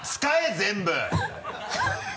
全部。